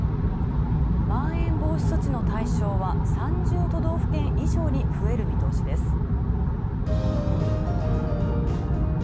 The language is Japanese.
まん延防止措置の対象は、３０都道府県以上に増える見通しです。